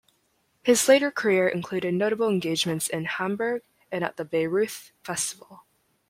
His later career included notable engagements in Hamburg and at the Bayreuth Festival.